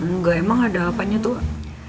nggak emang ada apanya tuh